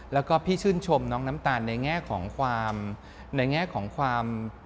แล้วก็พี่ชื่นชมน้องน้ำตาลในแง่ของความ